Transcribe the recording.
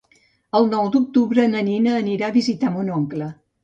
El nou d'octubre na Nina anirà a visitar mon oncle.